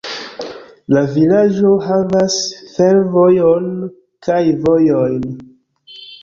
La vilaĝo havas fervojon kaj vojojn.